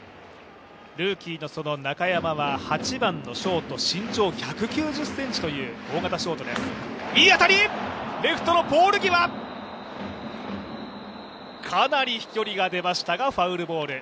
ルーキーの中山は８番のショート身長１９０ｃｍという大型ショートですかなり飛距離が出ましたが、ファウルボール。